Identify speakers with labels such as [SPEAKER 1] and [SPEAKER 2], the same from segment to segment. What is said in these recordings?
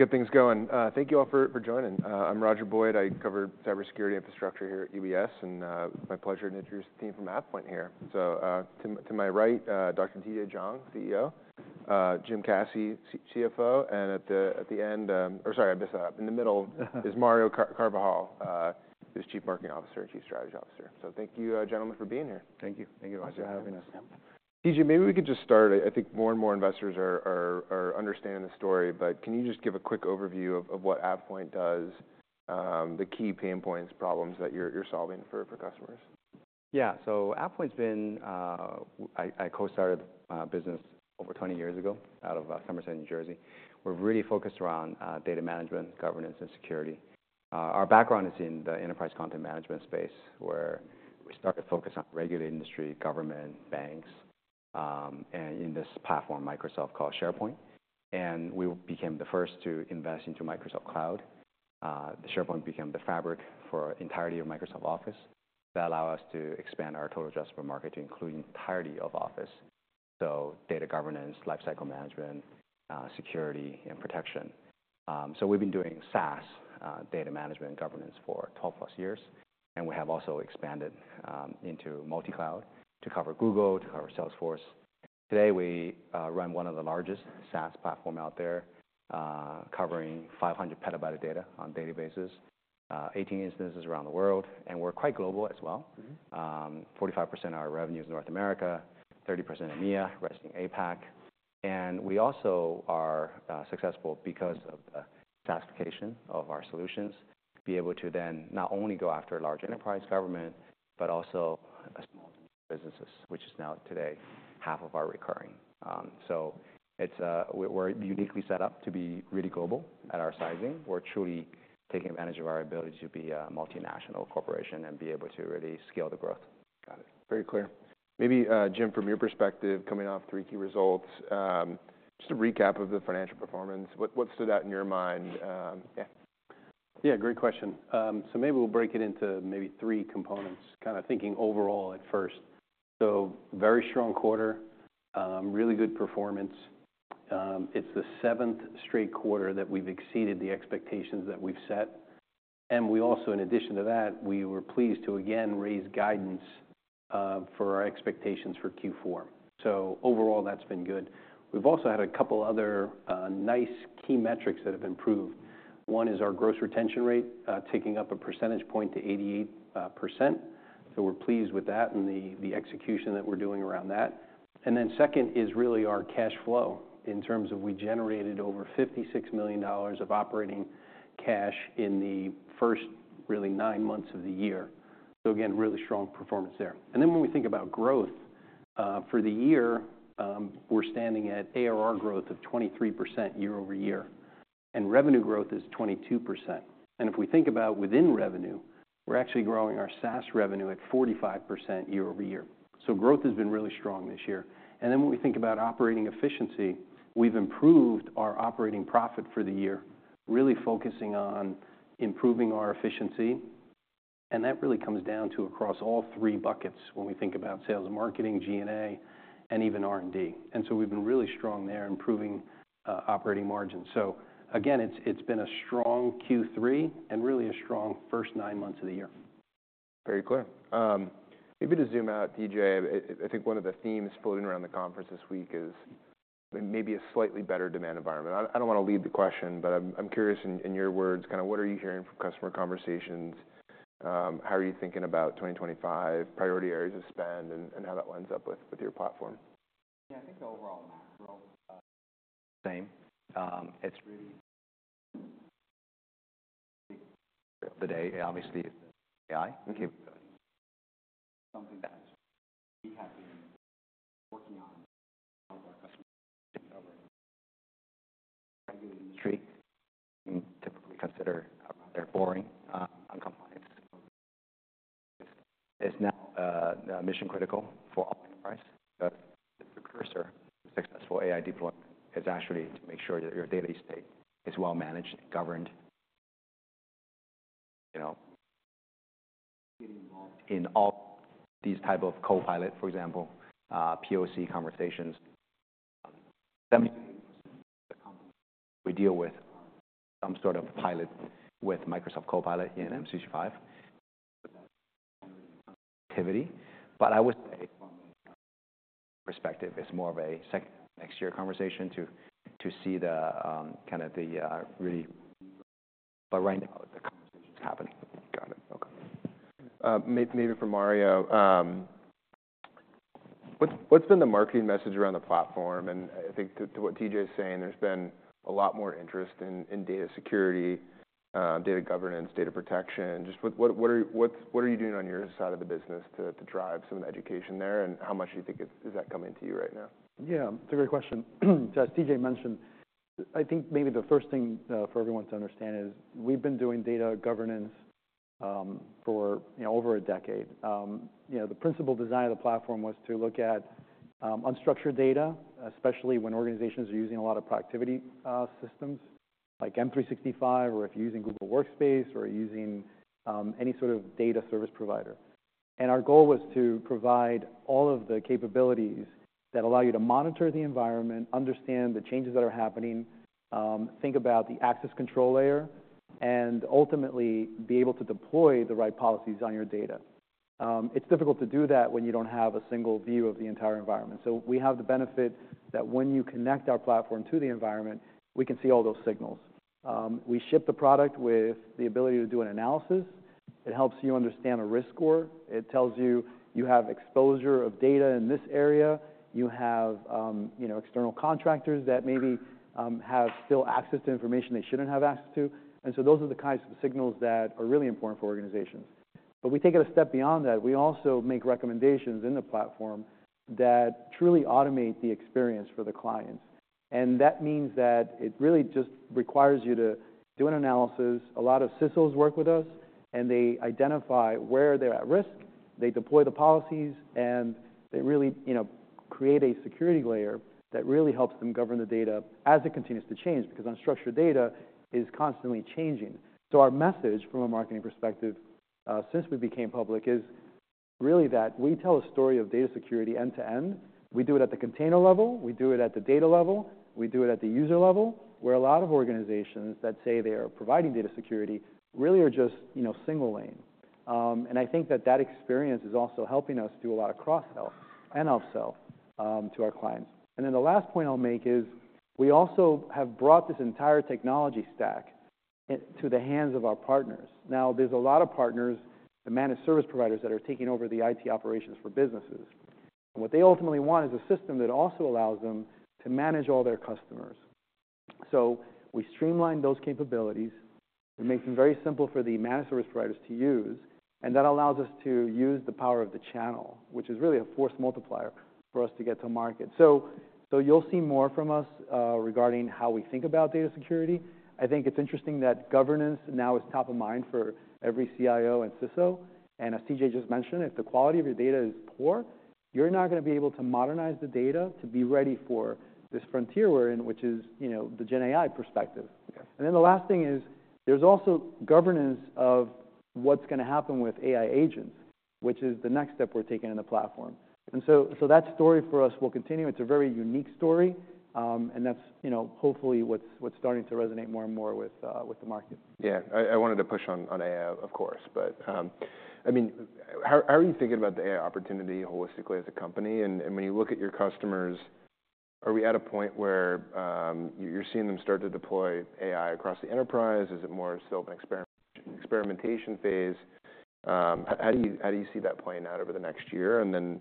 [SPEAKER 1] We'll get things going. Thank you all for joining. I'm Roger Boyd. I cover cybersecurity infrastructure here at UBS, and my pleasure to introduce the team from AvePoint here. So, to my right, Dr. TJ Jiang, CEO; Jim Caci, CFO; and at the end, or sorry, I missed that. In the middle is Mario Carvajal, who's Chief Marketing Officer and Chief Strategy Officer. So thank you, gentlemen, for being here.
[SPEAKER 2] Thank you. Thank you all for having us.
[SPEAKER 1] TJ, maybe we could just start. I think more and more investors are understanding the story, but can you just give a quick overview of what AvePoint does, the key pain points, problems that you're solving for customers?
[SPEAKER 3] Yeah. So AvePoint's been. I co-started the business over 20 years ago out of Somerset, New Jersey. We're really focused around data management, governance, and security. Our background is in the enterprise content management space where we started focus on regulated industry, government, banks, and in this platform, Microsoft, called SharePoint. And we became the first to invest into Microsoft Cloud. The SharePoint became the fabric for entirety of Microsoft Office that allowed us to expand our total addressable market to include the entirety of Office. So data governance, lifecycle management, security, and protection. So we've been doing SaaS, data management and governance for 12-plus years, and we have also expanded into multi-cloud to cover Google, to cover Salesforce. Today, we run one of the largest SaaS platforms out there, covering 500 petabyte of data on databases, 18 instances around the world, and we're quite global as well.
[SPEAKER 1] Mm-hmm.
[SPEAKER 3] 45% of our revenue is North America, 30% EMEA, rest is APAC. And we also are successful because of the classification of our solutions, be able to then not only go after large enterprise, government, but also small businesses, which is now today half of our recurring. So it's, we're uniquely set up to be really global at our size. We're truly taking advantage of our ability to be a multinational corporation and be able to really scale the growth.
[SPEAKER 1] Got it. Very clear. Maybe, Jim, from your perspective, coming off three key results, just a recap of the financial performance, what stood out in your mind? Yeah.
[SPEAKER 2] Yeah. Great question. So maybe we'll break it into maybe three components, kinda thinking overall at first. So very strong quarter, really good performance. It's the seventh straight quarter that we've exceeded the expectations that we've set. And we also, in addition to that, we were pleased to again raise guidance for our expectations for Q4. So overall, that's been good. We've also had a couple other nice key metrics that have improved. One is our gross retention Rate, taking up a percentage point to 88%. So we're pleased with that and the execution that we're doing around that. And then second is really our cash flow in terms of we generated over $56 million of operating cash in the first really nine months of the year. So again, really strong performance there. And then when we think about growth, for the year, we're standing at ARR growth of 23% year over year, and revenue growth is 22%. And if we think about within revenue, we're actually growing our SaaS revenue at 45% year over year. So growth has been really strong this year. And then when we think about operating efficiency, we've improved our operating profit for the year, really focusing on improving our efficiency. And that really comes down to across all three buckets when we think about sales and marketing, G&A, and even R&D. And so we've been really strong there improving operating margins. So again, it's been a strong Q3 and really a strong first nine months of the year.
[SPEAKER 1] Very clear. Maybe to zoom out, TJ, I think one of the themes floating around the conference this week is maybe a slightly better demand environment. I don't wanna lead the question, but I'm curious in your words, kinda what are you hearing from customer conversations? How are you thinking about 2025, priority areas of spend, and how that lines up with your platform?
[SPEAKER 3] Yeah. I think the overall macro, same. It's really the day.
[SPEAKER 1] Yeah.
[SPEAKER 3] Obviously, it's the AI capabilities. Something that we have been working on to help our customers recover in the regulated industry. We typically consider they're boring on compliance. It's now mission critical for all enterprise. The course to successful AI deployment is actually to make sure that your data estate is well managed and governed, you know, getting involved in all these type of Copilot, for example, POC conversations. 70% of the companies we deal with are some sort of pilot with Microsoft Copilot in M365. But I would say from a perspective, it's more of a second next year conversation to see the, kinda the, really. But right now, the conversation's happening.
[SPEAKER 1] Got it. Okay. Maybe for Mario, what's been the marketing message around the platform? And I think to what TJ's saying, there's been a lot more interest in data security, data governance, data protection. Just what are you doing on your side of the business to drive some of the education there? And how much do you think is that coming to you right now? Yeah. It's a great question. So as TJ mentioned, I think maybe the first thing, for everyone to understand, is we've been doing data governance, for, you know, over a decade. You know, the principal design of the platform was to look at unstructured data, especially when organizations are using a lot of productivity systems like M365 or if you're using Google Workspace or using any sort of data service provider, and our goal was to provide all of the capabilities that allow you to monitor the environment, understand the changes that are happening, think about the access control layer, and ultimately be able to deploy the right policies on your data. It's difficult to do that when you don't have a single view of the entire environment, so we have the benefit that when you connect our platform to the environment, we can see all those signals. We ship the product with the ability to do an analysis. It helps you understand a risk score. It tells you you have exposure of data in this area. You have, you know, external contractors that maybe, have still access to information they shouldn't have access to, and so those are the kinds of signals that are really important for organizations, but we take it a step beyond that. We also make recommendations in the platform that truly automate the experience for the clients, and that means that it really just requires you to do an analysis. A lot of CISOs work with us, and they identify where they're at risk. They deploy the policies, and they really, you know, create a security layer that really helps them govern the data as it continues to change because unstructured data is constantly changing. So our message from a marketing perspective, since we became public, is really that we tell a story of data security end to end. We do it at the container level. We do it at the data level. We do it at the user level where a lot of organizations that say they are providing data security really are just, you know, single lane. And I think that experience is also helping us do a lot of cross-sell and upsell to our clients. And then the last point I'll make is we also have brought this entire technology stack into the hands of our partners. Now, there's a lot of partners, the managed service providers that are taking over the IT operations for businesses. What they ultimately want is a system that also allows them to manage all their customers. So we streamlined those capabilities. We make them very simple for the managed service providers to use, and that allows us to use the power of the channel, which is really a force multiplier for us to get to market. So, you'll see more from us, regarding how we think about data security. I think it's interesting that governance now is top of mind for every CIO and CISO, and as TJ just mentioned, if the quality of your data is poor, you're not gonna be able to modernize the data to be ready for this frontier we're in, which is, you know, the GenAI perspective. Yes.
[SPEAKER 2] And then the last thing is there's also governance of what's gonna happen with AI agents, which is the next step we're taking in the platform. And so, so that story for us will continue. It's a very unique story. And that's, you know, hopefully what's, what's starting to resonate more and more with, with the market.
[SPEAKER 1] Yeah. I wanted to push on AI, of course, but I mean, how are you thinking about the AI opportunity holistically as a company? And when you look at your customers, are we at a point where you're seeing them start to deploy AI across the enterprise? Is it more still an experimentation phase? How do you see that playing out over the next year? And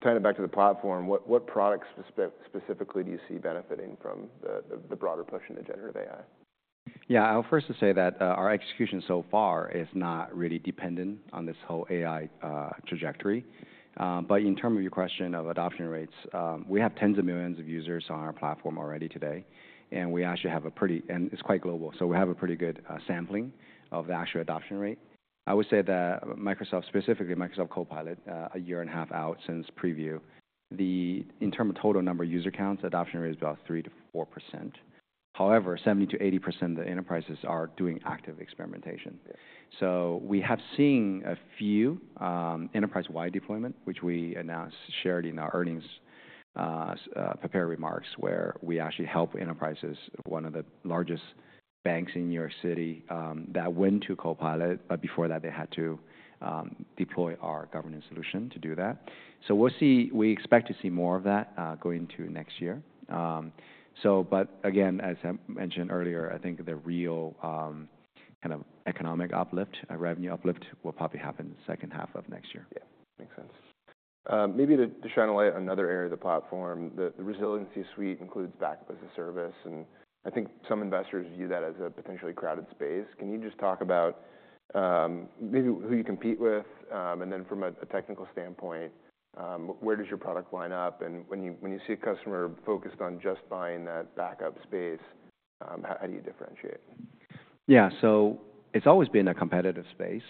[SPEAKER 1] then tying it back to the platform, what products specifically do you see benefiting from the broader push into generative AI?
[SPEAKER 3] Yeah. I'll first say that our execution so far is not really dependent on this whole AI trajectory, but in terms of your question of adoption rates, we have tens of millions of users on our platform already today, and we actually have a pretty good sampling of the actual adoption rate, and it's quite global. I would say that Microsoft specifically, Microsoft Copilot, a year and a half out since preview, in terms of total number of user counts, adoption rate is about 3%-4%. However, 70%-80% of the enterprises are doing active experimentation.
[SPEAKER 1] Yeah.
[SPEAKER 3] So we have seen a few enterprise-wide deployments, which we announced, shared in our earnings prepared remarks where we actually help enterprises. One of the largest banks in New York City that went to Copilot, but before that, they had to deploy our governance solution to do that. So we'll see. We expect to see more of that, going into next year. So, but again, as I mentioned earlier, I think the real kind of economic uplift, revenue uplift will probably happen the second half of next year.
[SPEAKER 1] Yeah. Makes sense. Maybe to shine a light on another area of the platform, the resilience suite includes backup as a service, and I think some investors view that as a potentially crowded space. Can you just talk about, maybe who you compete with? And then from a technical standpoint, where does your product line up? And when you see a customer focused on just buying that backup space, how do you differentiate?
[SPEAKER 3] Yeah. So it's always been a competitive space.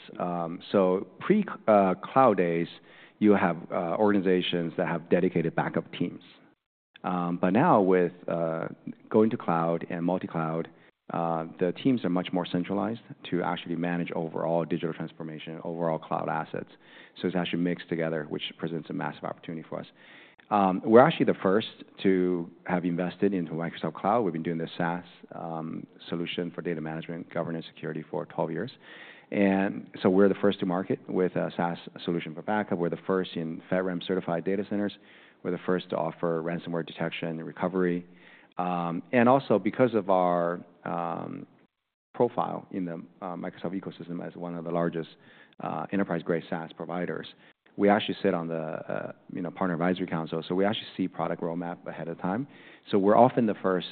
[SPEAKER 3] So pre-cloud days, you have organizations that have dedicated backup teams. But now with going to cloud and multi-cloud, the teams are much more centralized to actually manage overall digital transformation, overall cloud assets. So it's actually mixed together, which presents a massive opportunity for us. We're actually the first to have invested into Microsoft Cloud. We've been doing the SaaS solution for data management, governance, security for 12 years. And so we're the first to market with a SaaS solution for backup. We're the first in FedRAMP certified data centers. We're the first to offer ransomware detection and recovery. And also because of our profile in the Microsoft ecosystem as one of the largest enterprise-grade SaaS providers, we actually sit on the you know, Partner Advisory Council. So we actually see product roadmap ahead of time. So we're often the first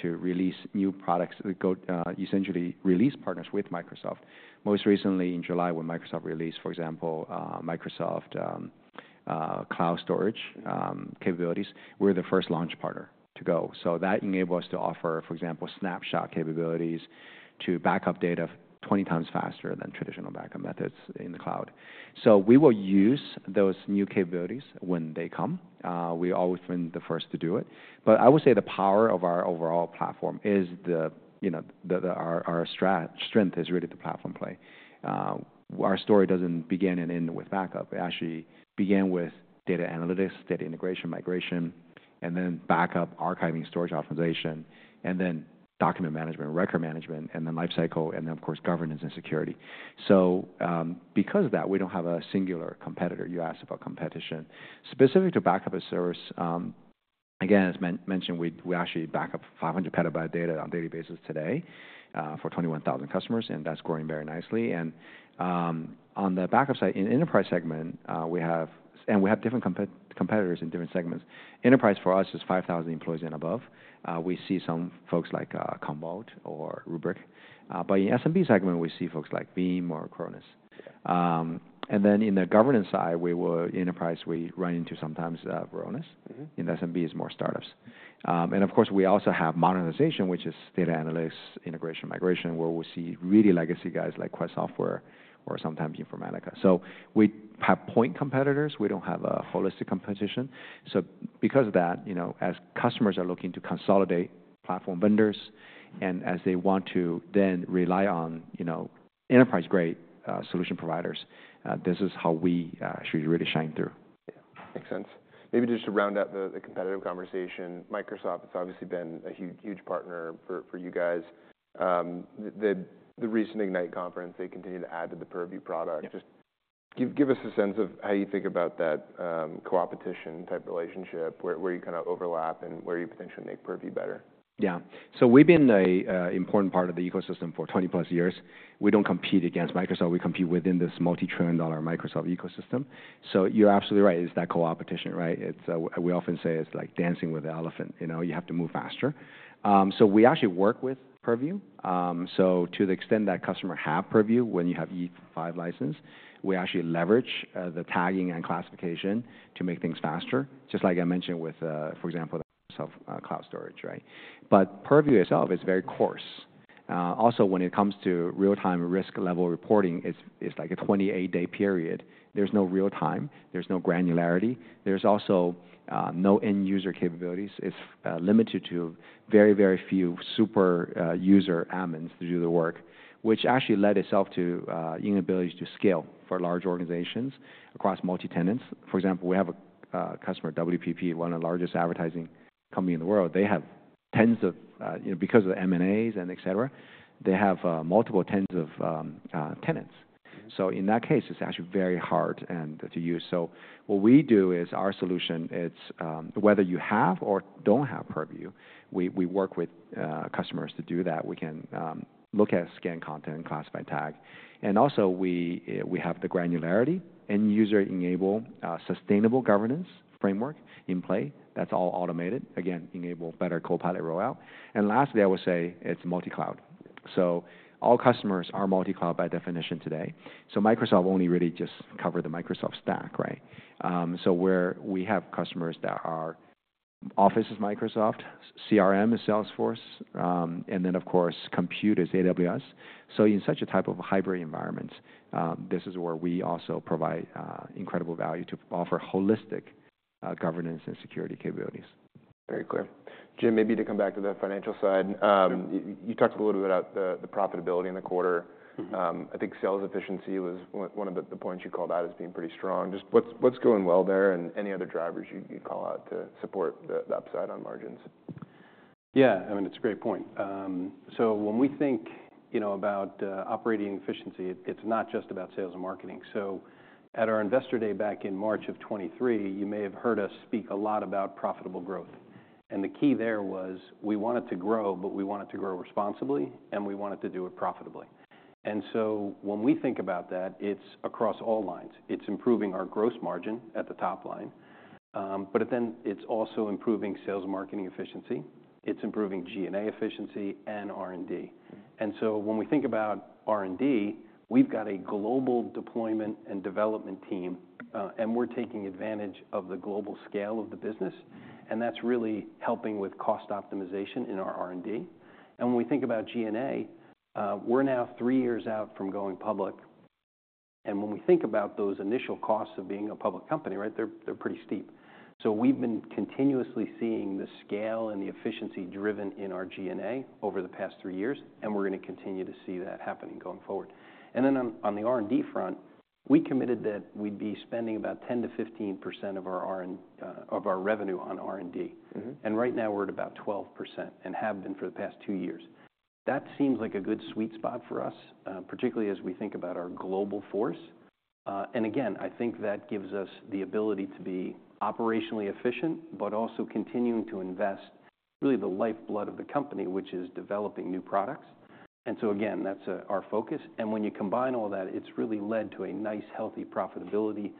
[SPEAKER 3] to release new products that go essentially release partners with Microsoft. Most recently, in July, when Microsoft released, for example, Microsoft Cloud storage capabilities, we're the first launch partner to go. So that enables us to offer, for example, snapshot capabilities to backup data 20 times faster than traditional backup methods in the cloud. So we will use those new capabilities when they come. We always been the first to do it. But I would say the power of our overall platform is, you know, our strength is really the platform play. Our story doesn't begin and end with backup. It actually began with data analytics, data integration, migration, and then backup, archiving, storage optimization, and then document management, record management, and then lifecycle, and then, of course, governance and security. So, because of that, we don't have a singular competitor. You asked about competition. Specific to backup as a service, again, as mentioned, we actually back up 500 petabyte data on a daily basis today, for 21,000 customers, and that's growing very nicely. On the backup side in enterprise segment, we have different competitors in different segments. Enterprise for us is 5,000 employees and above. We see some folks like Commvault or Rubrik. But in SMB segment, we see folks like Veeam or Acronis.
[SPEAKER 1] Yeah.
[SPEAKER 3] and then in the governance side, we will enterprise, we run into sometimes, Varonis.
[SPEAKER 1] Mm-hmm.
[SPEAKER 3] In SMB, it's more startups and of course, we also have modernization, which is data analytics, integration, migration, where we see really legacy guys like Quest Software or sometimes Informatica, so we have point competitors. We don't have a holistic competition, so because of that, you know, as customers are looking to consolidate platform vendors and as they want to then rely on, you know, enterprise-grade solution providers, this is how we should really shine through.
[SPEAKER 1] Yeah. Makes sense. Maybe just to round out the competitive conversation, Microsoft, it's obviously been a huge, huge partner for you guys. The recent Ignite conference, they continue to add to the Purview product.
[SPEAKER 3] Yeah.
[SPEAKER 1] Just give us a sense of how you think about that, co-opetition type relationship where you kinda overlap and where you potentially make Purview better.
[SPEAKER 3] Yeah. So we've been a important part of the ecosystem for 20+ years. We don't compete against Microsoft. We compete within this multi-trillion-dollar Microsoft ecosystem. So you're absolutely right. It's that co-opetition, right? It's, we often say it's like dancing with the elephant. You know, you have to move faster. So we actually work with Purview. So to the extent that customers have Purview, when you have E5 license, we actually leverage the tagging and classification to make things faster, just like I mentioned with, for example, the Microsoft cloud storage, right? But Purview itself is very coarse. Also when it comes to real-time risk level reporting, it's like a 28-day period. There's no real time. There's no granularity. There's also no end-user capabilities. It's limited to very, very few super user admins to do the work, which actually lent itself to inability to scale for large organizations across multi-tenants. For example, we have a customer, WPP, one of the largest advertising companies in the world. They have tens of, you know, because of the M&As and etc., they have multiple tens of tenants.
[SPEAKER 1] Mm-hmm.
[SPEAKER 3] So in that case, it's actually very hard to use. So what we do is our solution. It's whether you have or don't have Purview. We work with customers to do that. We can look at scan content and classify tag. And also we have the granularity, end-user-enabled, sustainable governance framework in play that's all automated. Again, enable better Copilot rollout. And lastly, I would say it's multi-cloud. So all customers are multi-cloud by definition today. So Microsoft only really just cover the Microsoft stack, right? So where we have customers that are Office is Microsoft, CRM is Salesforce, and then, of course, compute is AWS. So in such a type of hybrid environment, this is where we also provide incredible value to offer holistic governance and security capabilities.
[SPEAKER 1] Very clear. Jim, maybe to come back to the financial side.
[SPEAKER 3] Sure.
[SPEAKER 1] You talked a little bit about the profitability in the quarter.
[SPEAKER 3] Mm-hmm.
[SPEAKER 1] I think sales efficiency was one of the points you called out as being pretty strong. Just what's going well there and any other drivers you call out to support the upside on margins?
[SPEAKER 2] Yeah. I mean, it's a great point. So when we think, you know, about operating efficiency, it's not just about sales and marketing. So at our investor day back in March of 2023, you may have heard us speak a lot about profitable growth. And the key there was we wanted to grow, but we wanted to grow responsibly, and we wanted to do it profitably. And so when we think about that, it's across all lines. It's improving our gross margin at the top line. But then it's also improving sales and marketing efficiency. It's improving G&A efficiency and R&D.
[SPEAKER 1] Mm-hmm.
[SPEAKER 2] And so when we think about R&D, we've got a global deployment and development team, and we're taking advantage of the global scale of the business. And that's really helping with cost optimization in our R&D. And when we think about G&A, we're now three years out from going public. And when we think about those initial costs of being a public company, right, they're pretty steep. So we've been continuously seeing the scale and the efficiency driven in our G&A over the past three years, and we're gonna continue to see that happening going forward. And then on the R&D front, we committed that we'd be spending about 10%-15% of our R&D of our revenue on R&D.
[SPEAKER 1] Mm-hmm.
[SPEAKER 2] And right now we're at about 12% and have been for the past two years. That seems like a good sweet spot for us, particularly as we think about our global workforce. And again, I think that gives us the ability to be operationally efficient, but also continuing to invest really the lifeblood of the company, which is developing new products. And so again, that's our focus. And when you combine all that, it's really led to a nice, healthy profitability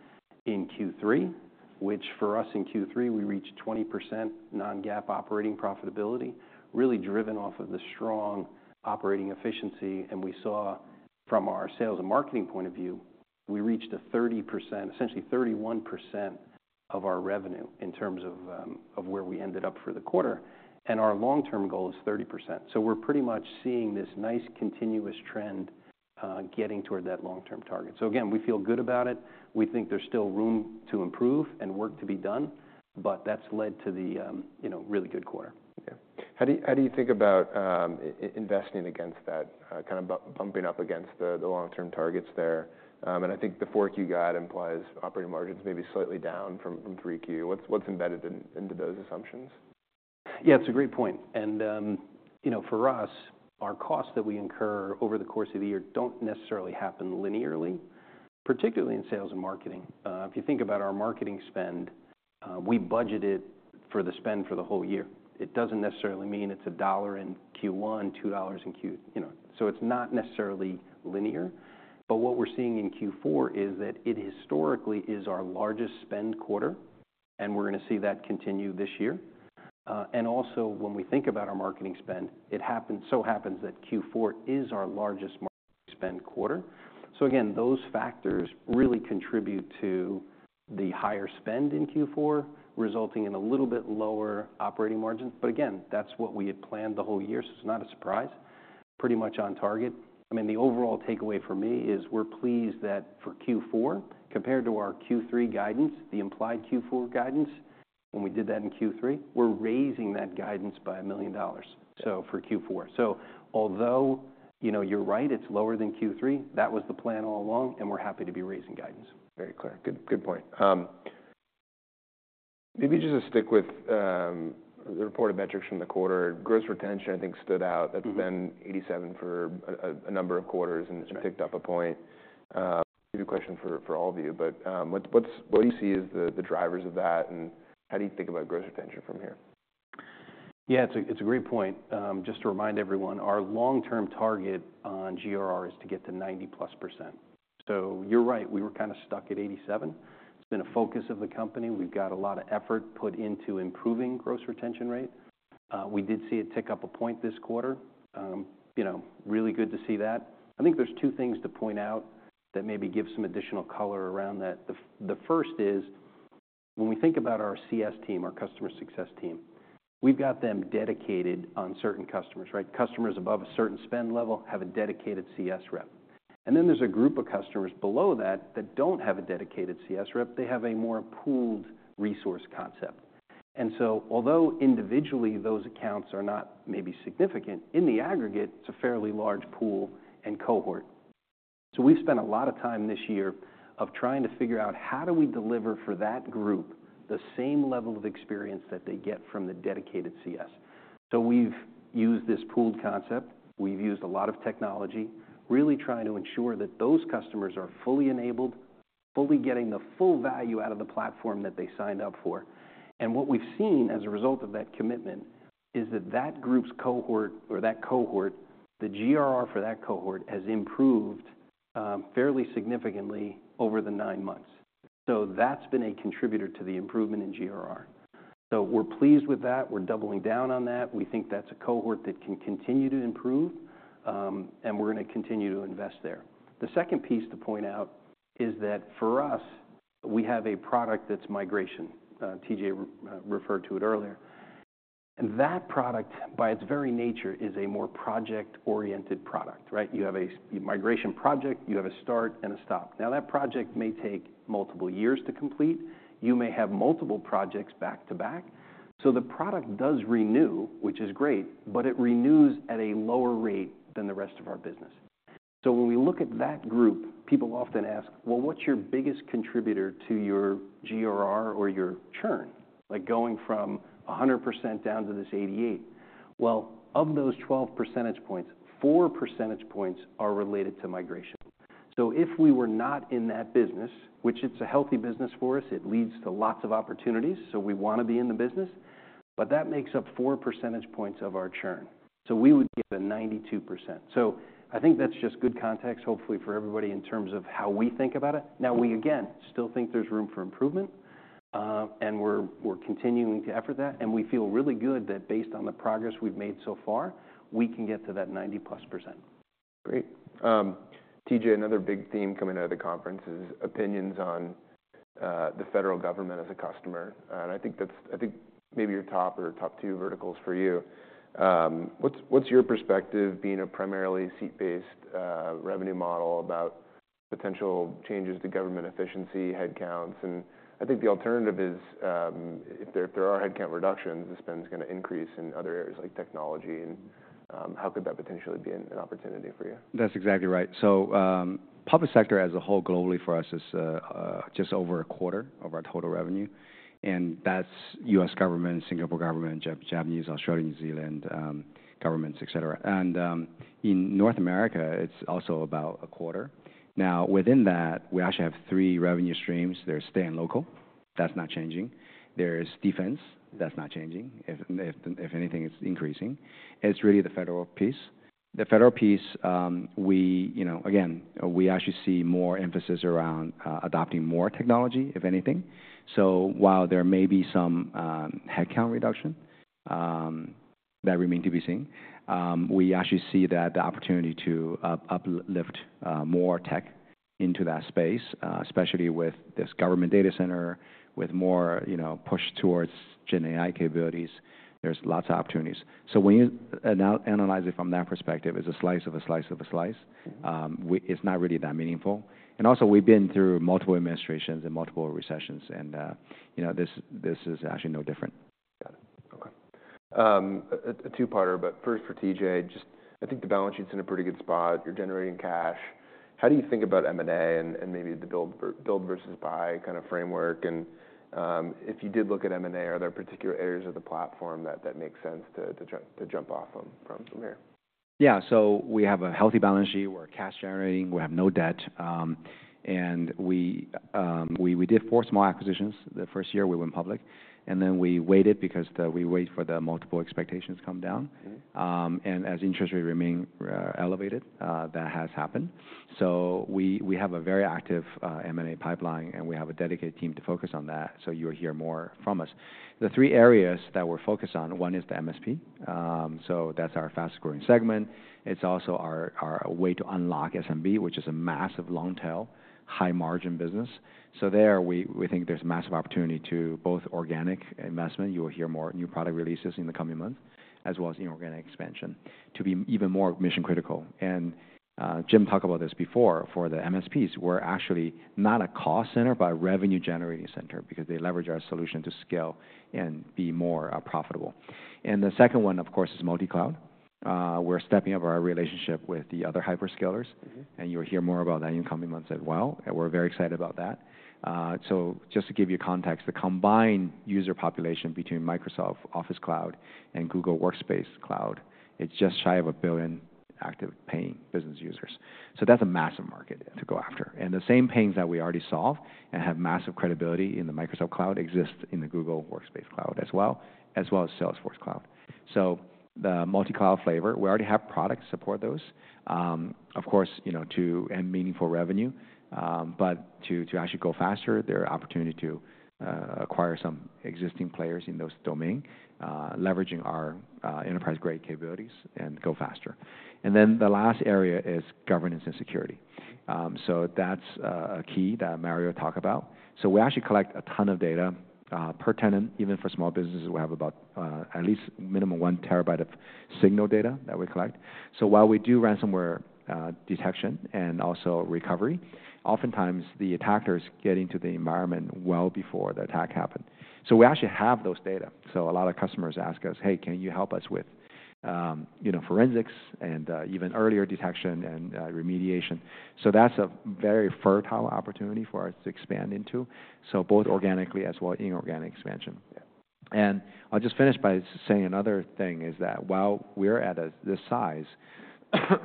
[SPEAKER 2] in Q3, which for us in Q3, we reached 20% non-GAAP operating profitability, really driven off of the strong operating efficiency. And we saw from our sales and marketing point of view, we reached a 30%, essentially 31% of our revenue in terms of, of where we ended up for the quarter. And our long-term goal is 30%. So we're pretty much seeing this nice continuous trend, getting toward that long-term target. So again, we feel good about it. We think there's still room to improve and work to be done, but that's led to the, you know, really good quarter.
[SPEAKER 1] Yeah. How do you think about investing against that, kind of bumping up against the long-term targets there? And I think the forecast you got implies operating margins maybe slightly down from 3Q. What's embedded into those assumptions?
[SPEAKER 2] Yeah. It's a great point. And, you know, for us, our costs that we incur over the course of the year don't necessarily happen linearly, particularly in sales and marketing. If you think about our marketing spend, we budget it for the spend for the whole year. It doesn't necessarily mean it's a dollar in Q1, $2 in Q, you know, so it's not necessarily linear. But what we're seeing in Q4 is that it historically is our largest spend quarter, and we're gonna see that continue this year. And also when we think about our marketing spend, it happens, so happens that Q4 is our largest marketing spend quarter. So again, those factors really contribute to the higher spend in Q4, resulting in a little bit lower operating margins. But again, that's what we had planned the whole year, so it's not a surprise. Pretty much on target. I mean, the overall takeaway for me is we're pleased that for Q4, compared to our Q3 guidance, the implied Q4 guidance, when we did that in Q3, we're raising that guidance by $1 million.
[SPEAKER 1] Okay.
[SPEAKER 2] So, for Q4, although, you know, you're right, it's lower than Q3, that was the plan all along, and we're happy to be raising guidance.
[SPEAKER 1] Very clear. Good, good point. Maybe just to stick with the reported metrics from the quarter, gross retention I think stood out.
[SPEAKER 2] Mm-hmm.
[SPEAKER 1] That's been 87% for a number of quarters.
[SPEAKER 2] That's right.
[SPEAKER 1] It's picked up a point. Maybe a question for all of you, but what do you see as the drivers of that, and how do you think about gross retention from here?
[SPEAKER 2] Yeah. It's a great point. Just to remind everyone, our long-term target on GRR is to get to 90-plus%. So you're right. We were kinda stuck at 87%. It's been a focus of the company. We've got a lot of effort put into improving gross retention rate. We did see it tick up a point this quarter. You know, really good to see that. I think there's two things to point out that maybe give some additional color around that. The first is when we think about our CS team, our customer success team. We've got them dedicated on certain customers, right? Customers above a certain spend level have a dedicated CS rep. And then there's a group of customers below that that don't have a dedicated CS rep. They have a more pooled resource concept. And so although individually those accounts are not maybe significant, in the aggregate, it's a fairly large pool and cohort. So we've spent a lot of time this year of trying to figure out how do we deliver for that group the same level of experience that they get from the dedicated CS. So we've used this pooled concept. We've used a lot of technology, really trying to ensure that those customers are fully enabled, fully getting the full value out of the platform that they signed up for. And what we've seen as a result of that commitment is that that group's cohort or that cohort, the GRR for that cohort has improved, fairly significantly over the nine months. So that's been a contributor to the improvement in GRR. So we're pleased with that. We're doubling down on that. We think that's a cohort that can continue to improve, and we're gonna continue to invest there. The second piece to point out is that for us, we have a product that's migration. TJ referred to it earlier. That product, by its very nature, is a more project-oriented product, right? You have a migration project. You have a start and a stop. Now that project may take multiple years to complete. You may have multiple projects back to back. The product does renew, which is great, but it renews at a lower rate than the rest of our business. When we look at that group, people often ask, "Well, what's your biggest contributor to your GRR or your churn?" Like going from 100% down to this 88%. Of those 12 percentage points, 4 percentage points are related to migration. So if we were not in that business, which it's a healthy business for us, it leads to lots of opportunities, so we wanna be in the business, but that makes up four percentage points of our churn. So we would be at a 92%. So I think that's just good context, hopefully for everybody in terms of how we think about it. Now we again still think there's room for improvement, and we're continuing to effort that. And we feel really good that based on the progress we've made so far, we can get to that 90-plus%.
[SPEAKER 1] Great. TJ, another big theme coming out of the conference is opinions on the federal government as a customer, and I think that's maybe your top or top two verticals for you. What's your perspective, being a primarily seat-based revenue model, about potential changes to government efficiency, headcounts? I think the alternative is, if there are headcount reductions, the spend's gonna increase in other areas like technology, and how could that potentially be an opportunity for you?
[SPEAKER 3] That's exactly right. So, public sector as a whole globally for us is just over a quarter of our total revenue. And that's U.S. government, Singapore government, Japanese, Australia, New Zealand, governments, etc. And in North America, it's also about a quarter. Now within that, we actually have three revenue streams. There's state and local. That's not changing. There's defense. That's not changing. If anything, it's increasing. It's really the federal piece. The federal piece, we you know again we actually see more emphasis around adopting more technology, if anything. So while there may be some headcount reduction, that remain to be seen, we actually see that the opportunity to uplift more tech into that space, especially with this government data center, with more you know push towards GenAI capabilities. There's lots of opportunities. So when you analyze it from that perspective, it's a slice of a slice of a slice.
[SPEAKER 1] Mm-hmm.
[SPEAKER 3] Well, it's not really that meaningful. And also, we've been through multiple administrations and multiple recessions. And, you know, this is actually no different.
[SPEAKER 1] Got it. Okay. A two-parter, but first for TJ. Just, I think the balance sheet's in a pretty good spot. You're generating cash. How do you think about M&A and maybe the build versus buy kind of framework? And, if you did look at M&A, are there particular areas of the platform that make sense to jump off from here?
[SPEAKER 3] Yeah, so we have a healthy balance sheet. We're cash generating. We have no debt, and we did four small acquisitions the first year we went public, and then we waited because we waited for the multiples to come down.
[SPEAKER 1] Mm-hmm.
[SPEAKER 3] And as interest rates remain elevated, that has happened. So we, we have a very active M&A pipeline, and we have a dedicated team to focus on that. So you'll hear more from us. The three areas that we're focused on, one is the MSP. So that's our fast-growing segment. It's also our, our way to unlock SMB, which is a massive long-tail, high-margin business. So there, we, we think there's massive opportunity to both organic investment. You'll hear more new product releases in the coming months, as well as inorganic expansion to be even more mission-critical. And Jim talked about this before for the MSPs. We're actually not a cost center, but a revenue-generating center because they leverage our solution to scale and be more profitable. And the second one, of course, is multicloud. We're stepping up our relationship with the other hyperscalers.
[SPEAKER 1] Mm-hmm.
[SPEAKER 3] And you'll hear more about that in the coming months as well, and we're very excited about that, so just to give you context, the combined user population between Microsoft Office Cloud and Google Workspace Cloud, it's just shy of a billion active paying business users, so that's a massive market to go after, and the same pains that we already solve and have massive credibility in the Microsoft Cloud exist in the Google Workspace Cloud as well, as well as Salesforce Cloud, so the multi-cloud flavor, we already have products support those, of course, you know, too and meaningful revenue, but to actually go faster, there are opportunities to acquire some existing players in those domains, leveraging our enterprise-grade capabilities and go faster, and then the last area is governance and security, so that's a key that Mario talked about. So we actually collect a ton of data, per tenant. Even for small businesses, we have about, at least minimum one terabyte of signal data that we collect. So while we do ransomware, detection and also recovery, oftentimes the attackers get into the environment well before the attack happened. So we actually have those data. So a lot of customers ask us, "Hey, can you help us with, you know, forensics and, even earlier detection and, remediation?" So that's a very fertile opportunity for us to expand into. So both organically as well as inorganic expansion.
[SPEAKER 1] Yeah.
[SPEAKER 3] And I'll just finish by saying another thing is that while we're at this size,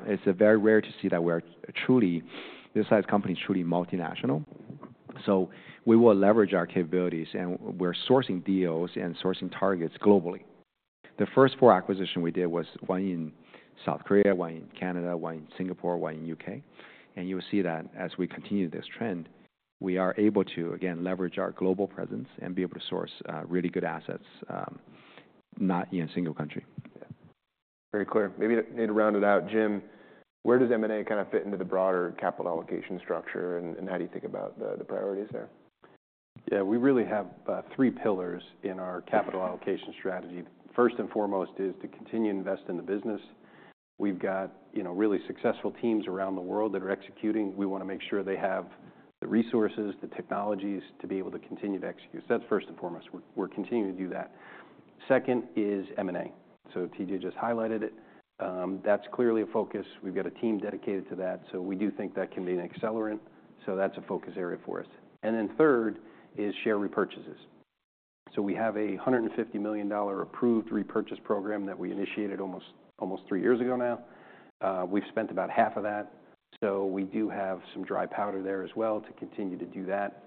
[SPEAKER 3] it's very rare to see that we're truly this size company is truly multinational. So we will leverage our capabilities, and we're sourcing deals and sourcing targets globally. The first four acquisitions we did was one in South Korea, one in Canada, one in Singapore, one in UK. And you'll see that as we continue this trend, we are able to again leverage our global presence and be able to source really good assets, not in a single country.
[SPEAKER 1] Yeah. Very clear. Maybe to, you know, round it out, Jim, where does M&A kinda fit into the broader capital allocation structure? And how do you think about the priorities there?
[SPEAKER 2] Yeah. We really have three pillars in our capital allocation strategy. First and foremost is to continue to invest in the business. We've got, you know, really successful teams around the world that are executing. We wanna make sure they have the resources, the technologies to be able to continue to execute. So that's first and foremost. We're continuing to do that. Second is M&A. So TJ just highlighted it. That's clearly a focus. We've got a team dedicated to that. So we do think that can be an accelerant. So that's a focus area for us. And then third is share repurchases. So we have a $150 million approved repurchase program that we initiated almost three years ago now. We've spent about $75 million of that. So we do have some dry powder there as well to continue to do that.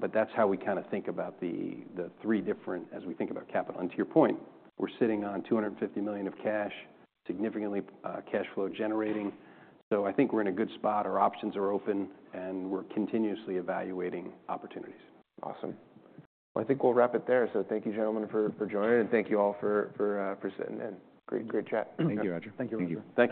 [SPEAKER 2] But that's how we kinda think about the three different as we think about capital. And to your point, we're sitting on $250 million of cash, significantly cash flow generating. So I think we're in a good spot. Our options are open, and we're continuously evaluating opportunities.
[SPEAKER 1] Awesome. Well, I think we'll wrap it there. So thank you, gentlemen, for joining. And thank you all for sitting in. Great, great chat.
[SPEAKER 3] Thank you, Roger.
[SPEAKER 2] Thank you.
[SPEAKER 1] Thank you.